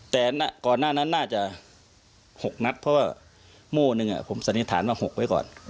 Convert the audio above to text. แต่ก่อนหน้านั้นน่าจะ๖นัดเพราะว่าโม่นึงผมสันนิษฐานว่า๖ไว้ก่อน